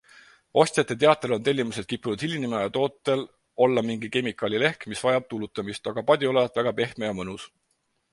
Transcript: Ostjate teatel on tellimused kippunud hilinema ja tootel olla mingi kemikaali lehk, mis vajab tuulutamist - aga padi olevat väga pehme ja mõnus.